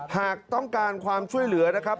หากต้องการความช่วยเหลือนะครับ